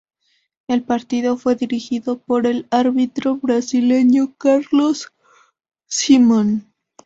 El partido fue dirigido por el árbitro brasileño Carlos Simon.